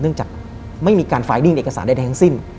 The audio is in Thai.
เนื่องจากไม่มีการในเอกสารได้แรงหลังสิ้น